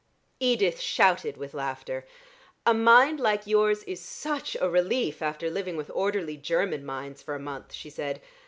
Edith shouted with laughter. "A mind like yours is such a relief after living with orderly German minds for a month," she said.